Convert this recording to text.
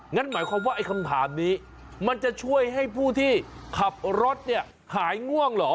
งั้นหมายความว่าไอ้คำถามนี้มันจะช่วยให้ผู้ที่ขับรถเนี่ยหายง่วงเหรอ